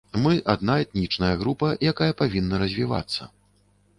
Мы адна этнічная група, якая павінна развівацца.